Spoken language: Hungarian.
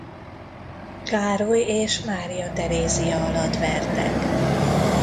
Károly és Mária Terézia alatt vertek.